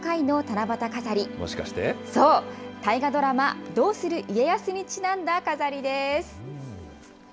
そう、大河ドラマ、どうする家康にちなんだ飾りです。